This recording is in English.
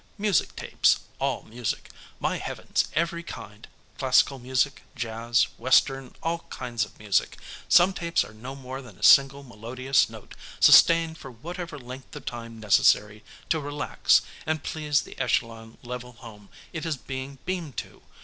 Music tapes, all music. My heavens, every kind: classical music, jazz, western, all kinds of music. Some tapes are no more than a single melodious note, sustained for whatever length of time necessary to relax and please the Echelon level home it is being beamed to.